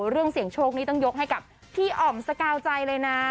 เรื่องเสี่ยงโชคนี้ต้องยกให้กับพี่อ๋อมสกาวใจเลยนะ